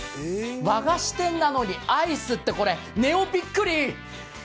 和菓子店なのにアイスってこれネオびっくり。